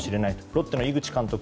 ロッテの井口監督